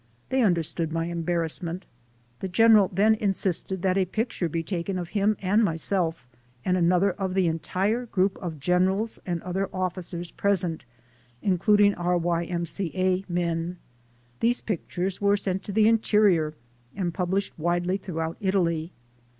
They understood my em barrassment. The General then insisted that a pic ture be taken of him and myself, and another of the entire group of generals and other officers present, including our Y. M. C. A. men. These pictures were sent to the interior and published widely throughout Italy.